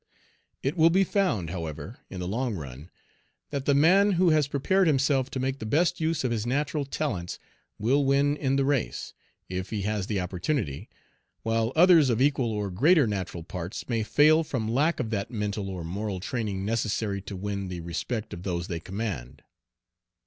It will be found, however, in the long run, that the man who has prepared himself to make the best use of his natural talents will win in the race, if he has the opportunity, while others of equal or greater natural parts may fail from lack of that mental and moral training necessary to win the respect of those they command.